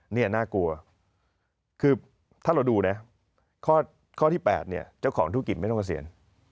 นี่น่ากลัวคือถ้าเราดูนะข้อที่๘เนี่ยเจ้าของธุรกิจไม่ต้องเกษียณ